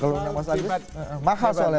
kalau undang mas agus makasih oleh